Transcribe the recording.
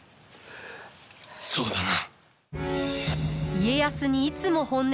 そうだな。